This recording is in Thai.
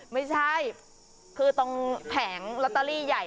ไม่ใช่คือตรงแผงลอตเตอรี่ใหญ่